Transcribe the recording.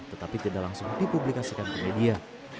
tetapi tidak langsung dipublikasikan ke media